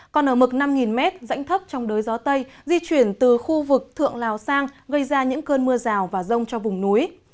còn ở mực năm m dãnh thấp trong đới gió tây di chuyển từ khu vực thượng lào sang gây ra những cơn mưa rào và rông cho vùng núi